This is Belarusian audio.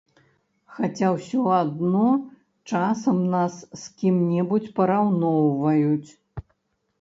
Хаця ўсё адно часам нас з кім-небудзь параўноўваюць.